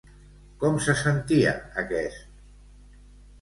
Com se sentia aquest?